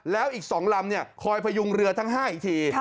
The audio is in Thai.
แล้วอีก๒ลำคอยพยุงเรือทั้ง๕อีกที